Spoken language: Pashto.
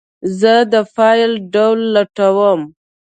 زه د فایل ډول لټوم.